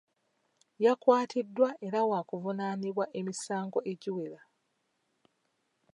Yakwatiddwa era waakuvunaanibwa emisango egiwera.